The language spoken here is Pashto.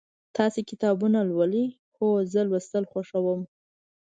تاسو کتابونه لولئ؟ هو، زه لوستل خوښوم